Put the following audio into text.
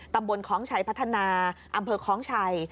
ตำบลของชัยพัฒนาอำเภอของชัย